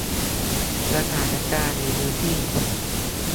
สถานการณ์ในพื้นที่